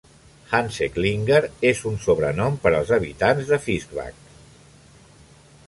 "Hanseklinger" és un sobrenom per als habitants de Fischbach.